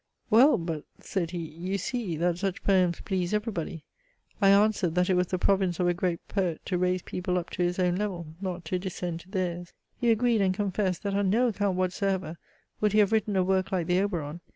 Well! but, said he, you see, that such poems please every body. I answered, that it was the province of a great poet to raise people up to his own level, not to descend to theirs. He agreed, and confessed, that on no account whatsoever would he have written a work like the OBERON.